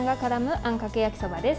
あんかけ焼きそばです。